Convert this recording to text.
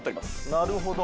なるほど。